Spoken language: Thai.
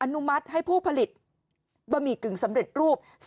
นุมัติให้ผู้ผลิตบะหมี่กึ่งสำเร็จรูป